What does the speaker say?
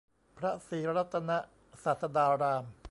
พระศรีรัตนศาสดาราม